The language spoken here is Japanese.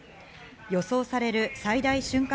予想される最大瞬間